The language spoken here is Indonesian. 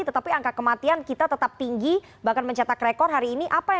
tetapi angka kematian kita tetap tinggi bahkan mencetak rekor hari ini